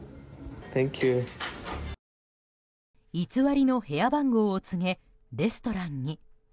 偽りの部屋番号を告げレストランに。